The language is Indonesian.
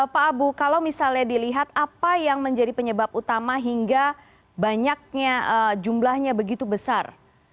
pak abu kalau misalnya dilihat apa yang menjadi penyebab utama hingga banyaknya jumlahnya begitu besar